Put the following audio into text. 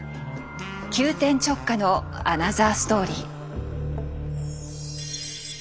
急転直下のアナザーストーリー。